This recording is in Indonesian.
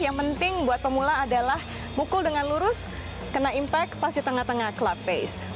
yang penting buat pemula adalah mukul dengan lurus kena impact pas di tengah tengah club face